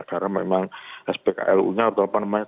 karena memang spklu nya atau apa namanya